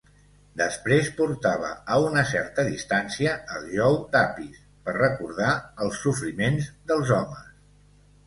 Després portava a una certa distància el jou d'Apis per recordar els sofriments dels homes.